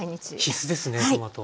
必須ですねトマト。